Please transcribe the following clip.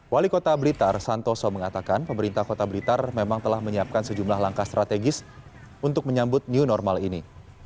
wali kota blitar santoso mengatakan pemerintah kota blitar memang telah menyiapkan sejumlah langkah strategis untuk menyambut new normal ini